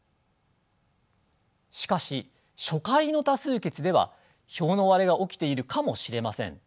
しかし初回の多数決では票の割れが起きているかもしれません。